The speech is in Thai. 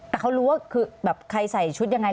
แต่เขารู้ว่าคือแบบใครใส่ชุดยังไง